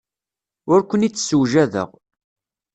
Ur ken-id-ssewjadeɣ.